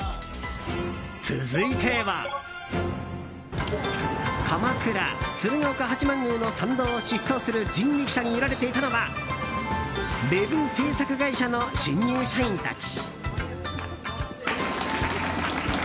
続いては鎌倉・鶴岡八幡宮の参道を疾走する人力車に揺られていたのはウェブ制作会社の新入社員たち。